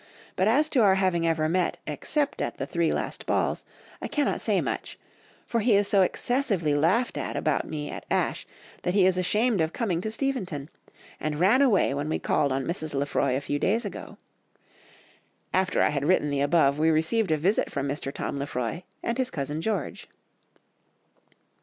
But as to our having ever met, except at the three last balls, I cannot say much; for he is so excessively laughed at about me at Ashe, that he is ashamed of coming to Steventon, and ran away when we called on Mrs. Lefroy a few days ago.... After I had written the above we received a visit from Mr. Tom Lefroy and his cousin George."